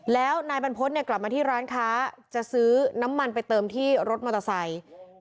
แล้วนายบรรพฤษกลับมาที่ร้านค้าจะซื้อน้ำมันไปเติมที่รถมอเตอร์ไซค์